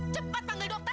cepat panggil dokter